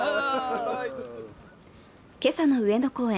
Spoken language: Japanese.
今朝の上野公園。